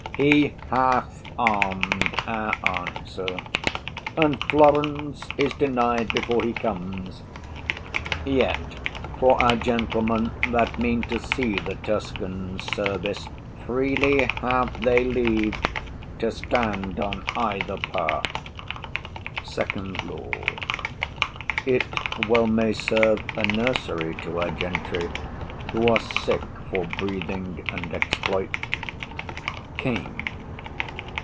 He hath arm'd our answer, And Florence is denied before he comes: Yet, for our gentlemen that mean to see The Tuscan service, freely have they leave To stand on either part. SECOND LORD. It well may serve A nursery to our gentry, who are sick For breathing and exploit. KING.